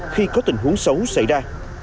khi có tình huống xấu xảy ra